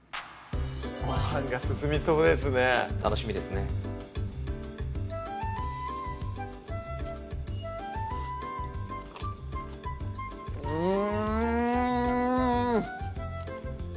ごはんが進みそうですね楽しみですねうん！